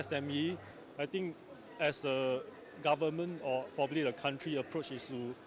saya pikir sebagai pemerintah atau mungkin juga negara yang mencari isu